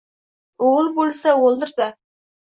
O`g`il bo`lsa o`g`ildir-da